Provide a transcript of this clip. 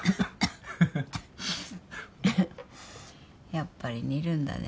やっぱり似るんだね。